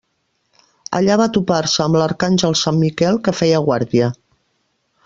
Allà va topar-se amb l'Arcàngel Sant Miquel que feia guàrdia.